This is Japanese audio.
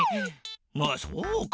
ああそうか。